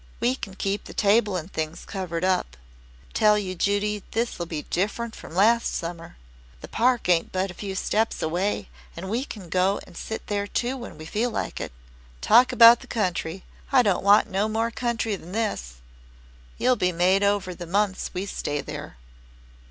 We can keep the table and things covered up. Tell you, Judy, this'll be different from last summer. The Park ain't but a few steps away an' we can go and sit there too when we feel like it. Talk about the country I don't want no more country than this is. You'll be made over the months we stay here."